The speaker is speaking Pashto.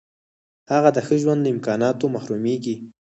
هغه د ښه ژوند له امکاناتو محرومیږي.